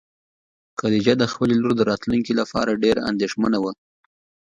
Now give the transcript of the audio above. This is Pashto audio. خدیجه د خپلې لور د راتلونکي لپاره ډېره اندېښمنه وه.